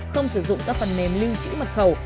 không sử dụng các phần mềm lưu trữ mật khẩu